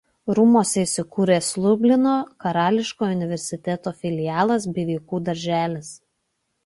Rūmuose įsikūręs Liublino katalikiškojo universiteto filialas bei vaikų darželis.